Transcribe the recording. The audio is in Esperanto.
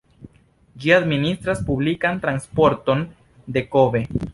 Ĝi administras publikan transporton de Kobe.